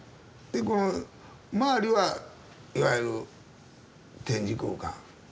でこの周りはいわゆる展示空間。